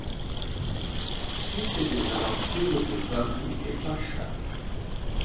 Suite des aventures de Babou et Pacha.